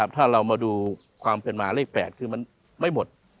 ถ้าเรามาดูความเป็นมาเลข๘คือมันไม่หมด